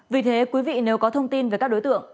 vì thế quý vị nếu có thông tin về các đối tượng